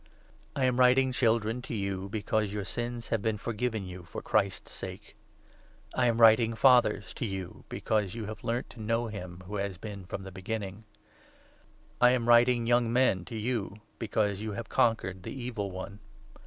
I am writing, Children, to you, because your sins have been 12 forgiven you for Christ's sake. I am writing, Fathers, to you, 13 because you have learnt to know him who has been from the Beginning. I am writing, Young Men, to you, .because you have conquered the Evil One.